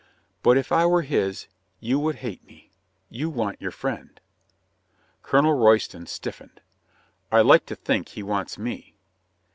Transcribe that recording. "But if I were his, you would hate me. You want your friend." Colonel Royston stiffened. "I like to think he wants me."